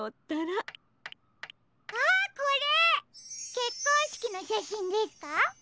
けっこんしきのしゃしんですか？